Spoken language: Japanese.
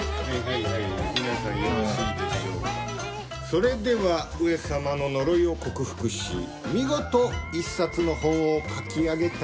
それでは上様の呪いを克服し見事一冊の本を書き上げた。